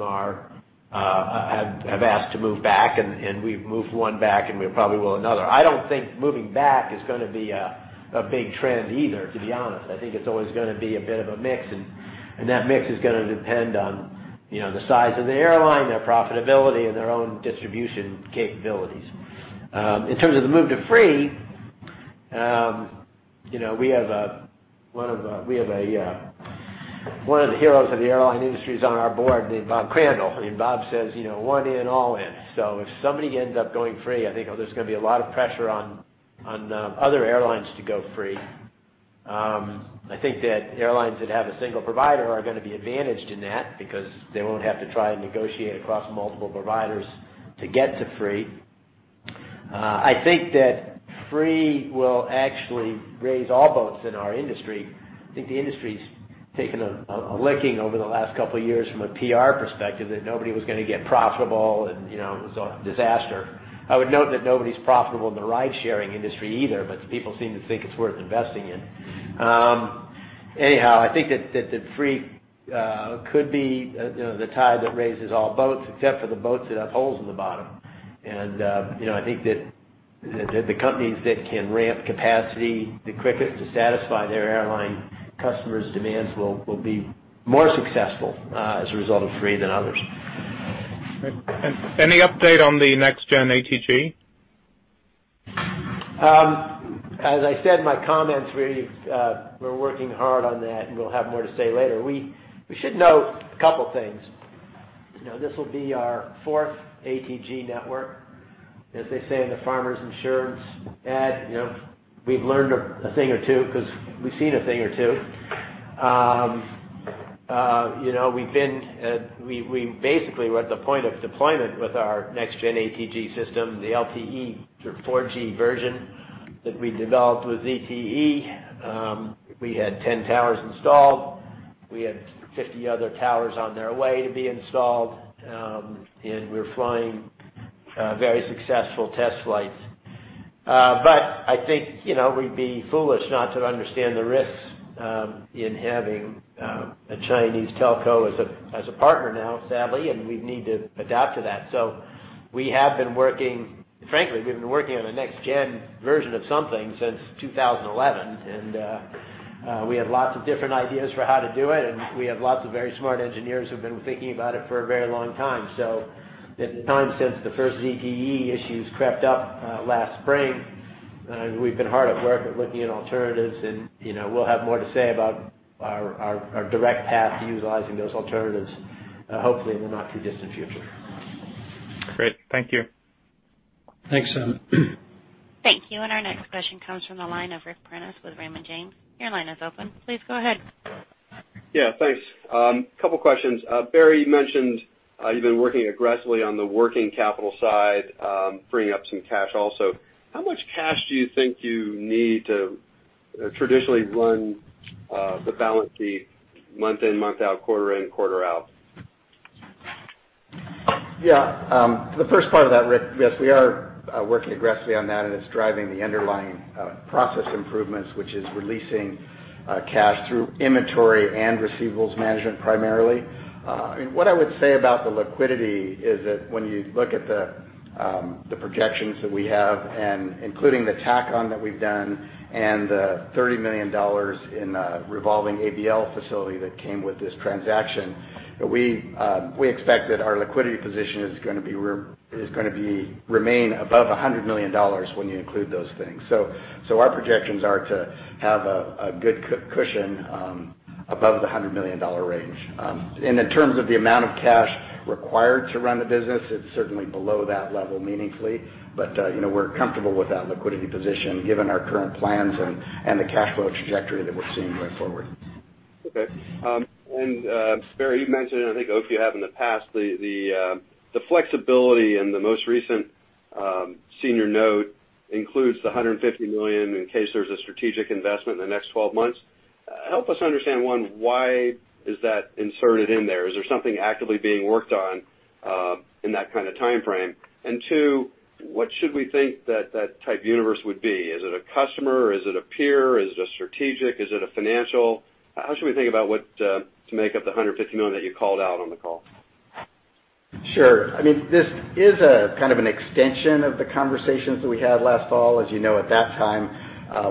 have asked to move back, and we've moved one back, and we probably will another. I don't think moving back is going to be a big trend either, to be honest. I think it's always going to be a bit of a mix, and that mix is going to depend on the size of the airline, their profitability, and their own distribution capabilities. In terms of the move to free, one of the heroes of the airline industry is on our board, named Bob Crandall, Bob says, "One in, all in." If somebody ends up going free, I think there's going to be a lot of pressure on other airlines to go free. I think that airlines that have a single provider are going to be advantaged in that because they won't have to try and negotiate across multiple providers to get to free. I think that free will actually raise all boats in our industry. I think the industry's taken a licking over the last couple of years from a PR perspective that nobody was going to get profitable, and it was a disaster. I would note that nobody's profitable in the ride-sharing industry either, but people seem to think it's worth investing in. Anyhow, I think that free could be the tide that raises all boats, except for the boats that have holes in the bottom. I think that the companies that can ramp capacity the quickest to satisfy their airline customers' demands will be more successful, as a result of free, than others. Great. Any update on the next gen ATG? As I said in my comments, we're working hard on that, we'll have more to say later. We should note a couple things. This will be our fourth ATG network. As they say in the Farmers Insurance ad, we've learned a thing or two because we've seen a thing or two. We basically were at the point of deployment with our next gen ATG system, the LTE 4G version that we developed with ZTE. We had 10 towers installed. We had 50 other towers on their way to be installed. We're flying very successful test flights. I think, we'd be foolish not to understand the risks in having a Chinese telco as a partner now, sadly, and we need to adapt to that. Frankly, we've been working on the next gen version of something since 2011. We had lots of different ideas for how to do it, and we have lots of very smart engineers who've been thinking about it for a very long time. At the time since the first ZTE issues crept up last spring, we've been hard at work at looking at alternatives and we'll have more to say about our direct path to utilizing those alternatives, hopefully in the not too distant future. Great. Thank you. Thanks, Simon. Thank you. Our next question comes from the line of Ric Prentiss with Raymond James. Your line is open. Please go ahead. Yeah, thanks. Couple questions. Barry mentioned you've been working aggressively on the working capital side, freeing up some cash also. How much cash do you think you need to traditionally run the balance sheet month in, month out, quarter in, quarter out? Yeah. The first part of that, Ric, yes, we are working aggressively on that, and it's driving the underlying process improvements, which is releasing cash through inventory and receivables management primarily. What I would say about the liquidity is that when you look at the projections that we have and including the tack on that we've done and the $30 million in revolving ABL facility that came with this transaction, we expect that our liquidity position is going to remain above $100 million when you include those things. Our projections are to have a good cushion above the $100 million range. In terms of the amount of cash required to run the business, it's certainly below that level meaningfully, but we're comfortable with that liquidity position given our current plans and the cash flow trajectory that we're seeing going forward. Okay. Barry, you've mentioned, I think both of you have in the past, the flexibility in the most recent senior note includes the $150 million in case there's a strategic investment in the next 12 months. Help us understand, one, why is that inserted in there? Is there something actively being worked on in that kind of timeframe? Two, what should we think that type universe would be? Is it a customer? Is it a peer? Is it a strategic? Is it a financial? How should we think about what to make up the $150 million that you called out on the call? Sure. This is a kind of an extension of the conversations that we had last fall. As you know, at that time,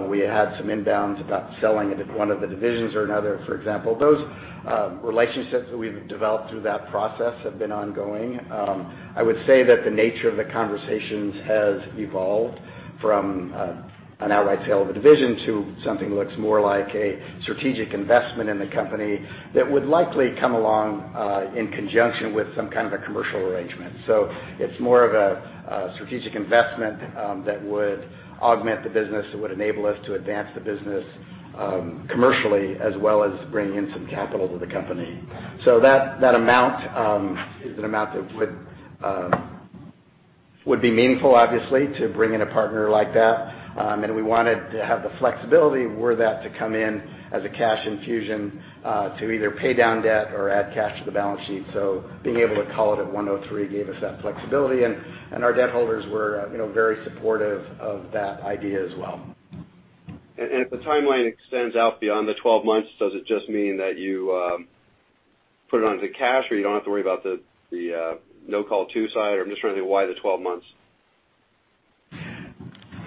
we had some inbounds about selling it at one of the divisions or another, for example. Those relationships that we've developed through that process have been ongoing. I would say that the nature of the conversations has evolved from an outright sale of a division to something that looks more like a strategic investment in the company that would likely come along in conjunction with some kind of a commercial arrangement. It's more of a strategic investment that would augment the business, that would enable us to advance the business commercially as well as bring in some capital to the company. That amount is an amount that would be meaningful, obviously, to bring in a partner like that. We wanted to have the flexibility were that to come in as a cash infusion to either pay down debt or add cash to the balance sheet. Being able to call it at 103 gave us that flexibility, and our debt holders were very supportive of that idea as well. If the timeline extends out beyond the 12 months, does it just mean that you put it onto cash where you don't have to worry about the no-call two side? I'm just wondering why the 12 months.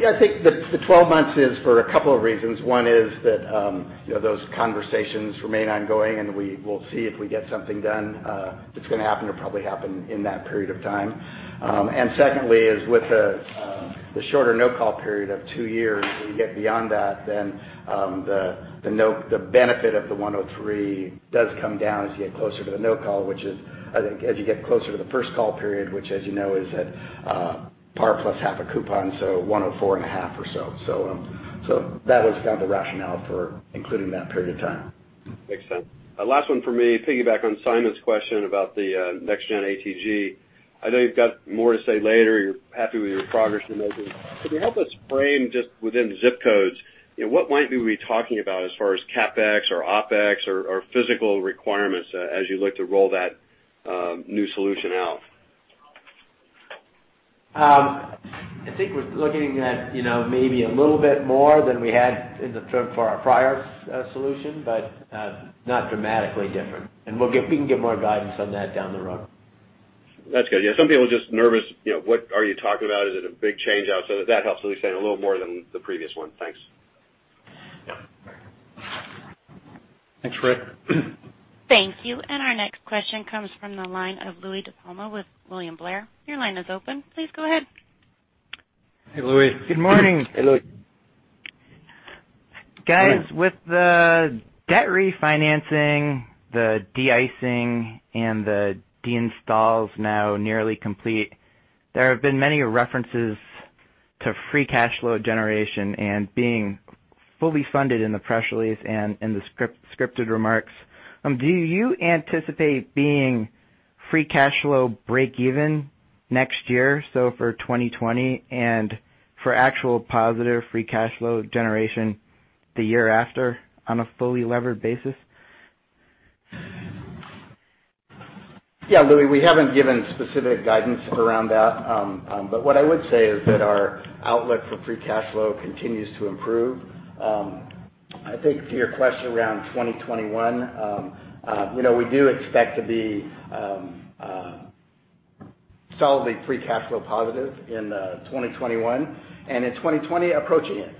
I think the 12 months is for a couple of reasons. One is that those conversations remain ongoing, and we will see if we get something done. If it's going to happen, it'll probably happen in that period of time. Secondly is with the shorter no-call period of two years, when you get beyond that, then the benefit of the 103 does come down as you get closer to the no call, which is, I think, as you get closer to the first call period, which as you know is at par plus half a coupon, so 104 and a half or so. That was kind of the rationale for including that period of time. Makes sense. Last one for me. Piggyback on Simon's question about the next-gen ATG. I know you've got more to say later. You're happy with your progress. Can you help us frame just within zip codes, what might we be talking about as far as CapEx or OpEx or physical requirements as you look to roll that new solution out? I think we're looking at maybe a little bit more than we had for our prior solution, but not dramatically different. We can give more guidance on that down the road. That's good. Yeah, some people are just nervous. What are you talking about? Is it a big change out? That helps to understand a little more than the previous one. Thanks. Thanks, Ric. Thank you. Our next question comes from the line of Louie DiPalma with William Blair. Your line is open. Please go ahead. Hey, Louie. Good morning. Hey, Louie. Guys, with the debt refinancing, the de-risking, and the de-installs now nearly complete, there have been many references to free cash flow generation and being fully funded in the press release and in the scripted remarks. Do you anticipate being free cash flow breakeven next year, so for 2020, and for actual positive free cash flow generation the year after on a fully levered basis? Yeah, Louie, we haven't given specific guidance around that. What I would say is that our outlook for free cash flow continues to improve. I think to your question around 2021, we do expect to be solidly free cash flow positive in 2021, and in 2020, approaching it.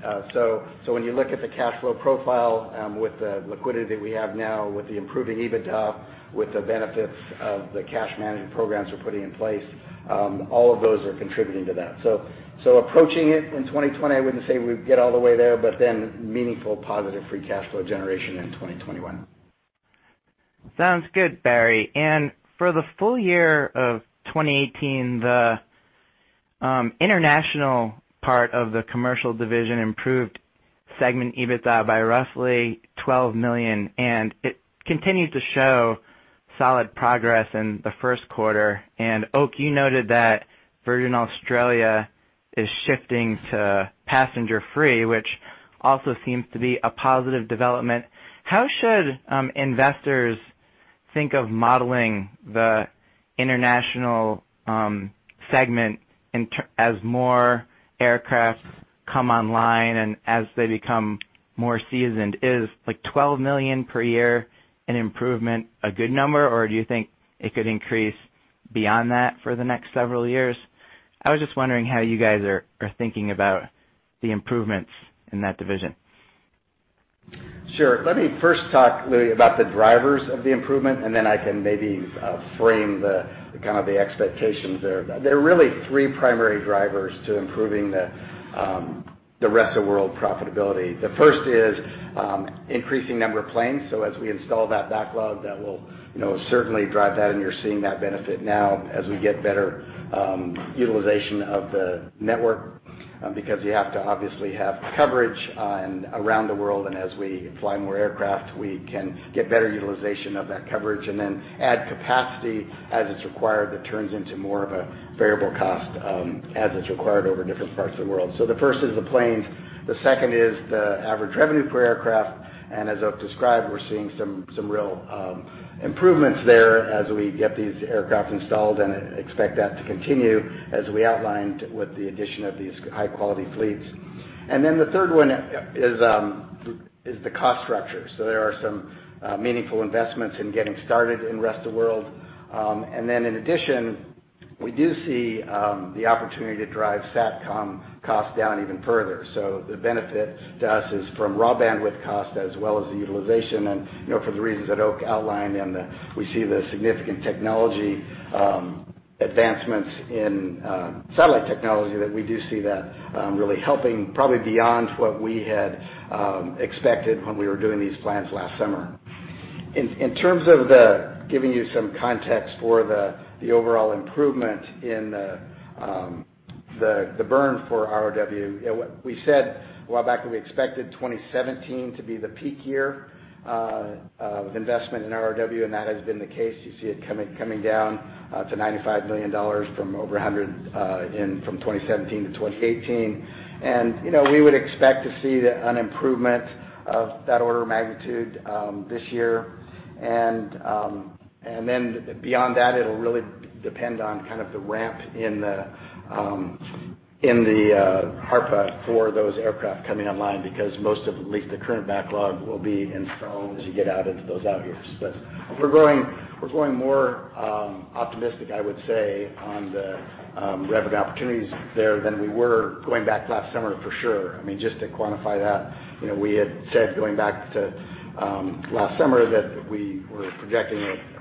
When you look at the cash flow profile with the liquidity that we have now, with the improving EBITDA, with the benefits of the cash management programs we're putting in place, all of those are contributing to that. Approaching it in 2020, I wouldn't say we would get all the way there, but meaningful positive free cash flow generation in 2021. Sounds good, Barry. For the full year of 2018, the international part of the commercial division improved segment EBITDA by roughly $12 million, and it continues to show solid progress in the first quarter. Oak, you noted that Virgin Australia is shifting to passenger free, which also seems to be a positive development. How should investors think of modeling the international segment as more aircrafts come online and as they become more seasoned? Is $12 million per year an improvement a good number, or do you think it could increase beyond that for the next several years? I was just wondering how you Gus are thinking about the improvements in that division. Sure. Let me first talk, Louie, about the drivers of the improvement. I can maybe frame the expectations there. There are really three primary drivers to improving the Commercial Aviation - Rest of World profitability. The first is increasing number of planes. As we install that backlog, that will certainly drive that, and you're seeing that benefit now as we get better utilization of the network, because you have to obviously have coverage around the world. As we fly more aircraft, we can get better utilization of that coverage and add capacity as it's required. That turns into more of a variable cost as it's required over different parts of the world. The first is the planes. The second is the Average Revenue Per Aircraft. As Oak described, we're seeing some real improvements there as we get these aircraft installed and expect that to continue as we outlined with the addition of these high-quality fleets. The third one is the cost structure. There are some meaningful investments in getting started in rest of world. In addition, we do see the opportunity to drive SATCOM costs down even further. The benefit to us is from raw bandwidth cost as well as the utilization. For the reasons that Oak outlined, and we see the significant technology advancements in satellite technology, we do see that really helping, probably beyond what we had expected when we were doing these plans last summer. In terms of giving you some context for the overall improvement in the burn for ROW. We said a while back that we expected 2017 to be the peak year of investment in ROW, and that has been the case. You see it coming down to $95 million from over $100 million from 2017 to 2018. We would expect to see an improvement of that order of magnitude this year. Beyond that, it'll really depend on kind of the ramp in the ARPA for those aircraft coming online, because most of, at least the current backlog, will be installed as you get out into those out years. We're going more optimistic, I would say, on the revenue opportunities there than we were going back last summer, for sure. Just to quantify that, we had said going back to last summer that we were projecting, for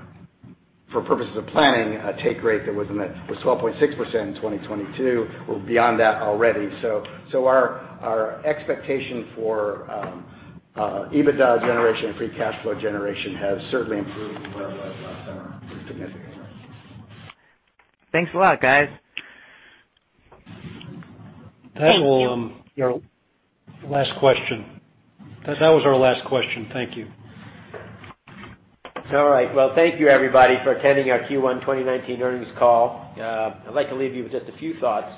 purposes of planning, a take rate that was 12.6% in 2022. We're beyond that already. Our expectation for EBITDA generation and free cash flow generation has certainly improved from where it was last summer significantly. Thanks a lot, guys. Thank you. That was our last question. Thank you. All right. Well, thank you, everybody, for attending our Q1 2019 earnings call. I'd like to leave you with just a few thoughts.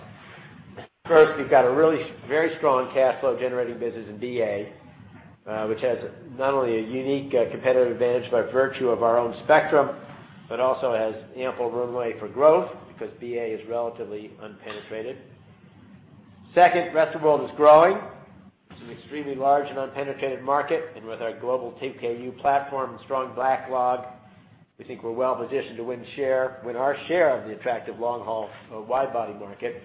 First, we've got a really very strong cash flow generating business in BA, which has not only a unique competitive advantage by virtue of our own spectrum, but also has ample runway for growth because BA is relatively unpenetrated. Second, rest of world is growing. It's an extremely large and unpenetrated market, and with our global 2Ku platform and strong backlog, we think we're well positioned to win our share of the attractive long-haul wide body market.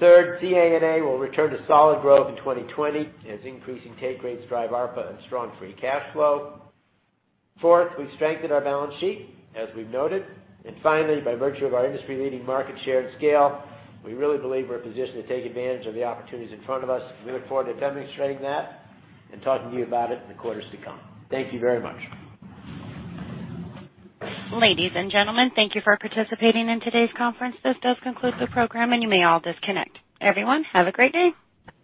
Third, CA-NA will return to solid growth in 2020 as increasing take rates drive ARPA and strong free cash flow. Fourth, we've strengthened our balance sheet, as we've noted. Finally, by virtue of our industry-leading market share and scale, we really believe we're positioned to take advantage of the opportunities in front of us. We look forward to demonstrating that and talking to you about it in the quarters to come. Thank you very much. Ladies and gentlemen, thank you for participating in today's conference. This does conclude the program, and you may all disconnect. Everyone, have a great day.